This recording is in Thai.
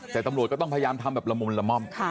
แต่ตำรวจก็ต้องพยายามทำแบบละมุนละม่อม